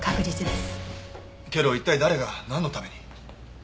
けど一体誰がなんのために？